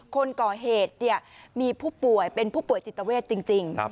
คนก่อเหตุมีผู้ป่วยเป็นผู้ป่วยจิตเวทจริง